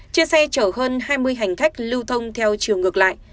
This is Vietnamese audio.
trên xe chở hơn hai mươi hành khách lưu thông theo chiều ngược lại